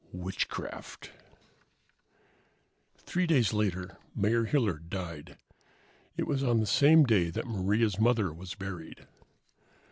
Witchcraft Three days later, Mayor Hilliard died. It was on the same day that Maria's mother was buried.